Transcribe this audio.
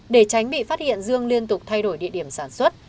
để tránh bị phát hiện dương liên tục thay đổi địa điểm sản xuất